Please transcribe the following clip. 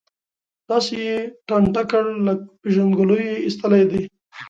داسې یې ټانټه کړ، له پېژندګلوۍ یې ایستلی دی.